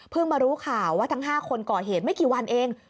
มารู้ข่าวว่าทั้ง๕คนก่อเหตุไม่กี่วันเอง